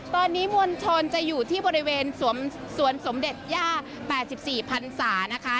ตอนนี้มวลชนจะอยู่ที่บริเวณสวนสมเด็จย่า๘๔พันศานะคะ